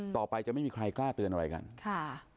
ต่อไปจะไม่มีใครกล้าเตือนอะไรกันค่ะ